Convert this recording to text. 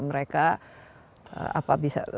mereka apa bisa